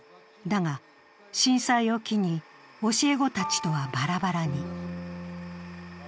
だが、震災を機に教え子たちとはバラバラに。